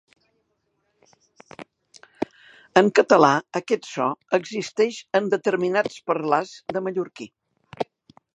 En català aquest so existeix en determinats parlars de mallorquí.